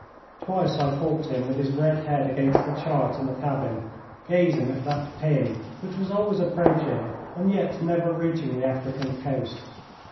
Twice I caught him with his red head against the chart in the cabin, gazing at that pin, which was always approaching and yet never reaching the African coast.